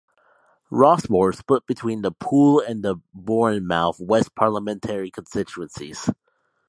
Rossmore is split between the Poole and the Bournemouth West parliamentary constituencies.